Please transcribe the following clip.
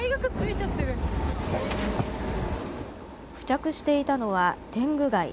付着していたのはテングガイ。